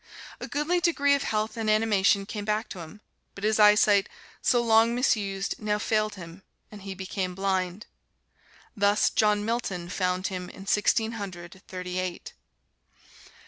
A goodly degree of health and animation came back to him, but his eyesight, so long misused, now failed him and he became blind. Thus John Milton found him in Sixteen Hundred Thirty eight.